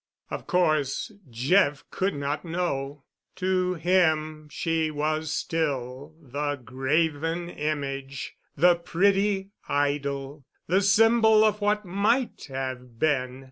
Of course, Jeff could not know. To him she was still the Graven Image, the pretty Idol, the symbol of what might have been.